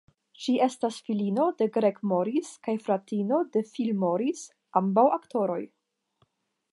Ŝi estas filino de Greg Morris kaj fratino de Phil Morris, ambaŭ aktoroj.